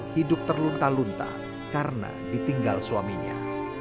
hidup terlunta lunta karena ditinggal suaminya